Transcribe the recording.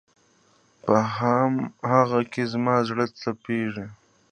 په هم هغه کې زما زړه تپېږي